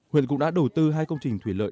huyện cũng đã đầu tư hai công trình thủy lợi